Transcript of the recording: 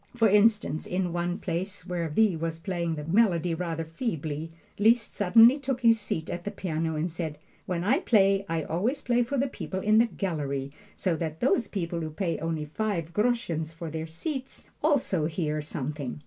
For instance, in one place where V. was playing the melody rather feebly, Liszt suddenly took his seat at the piano and said, "When I play, I always play for the people in the gallery, so that those people who pay only five groschens for their seats also hear something."